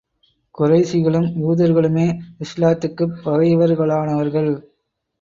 குறைஷிகளும், யூதர்களுமே இஸ்லாத்துக்குப் பகைவர்களானவர்கள்.